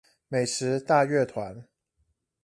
美食大樂團